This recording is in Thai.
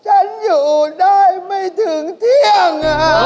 ฉันอยู่ได้ไม่ถึงเที่ยง